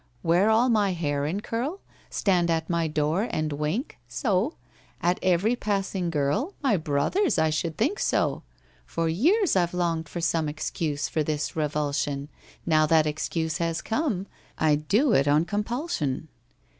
"Wear all my hair in curl? Stand at my door and wink—so— At every passing girl? My brothers, I should think so! "For years I've longed for some Excuse for this revulsion: Now that excuse has come— I do it on compulsion!!!"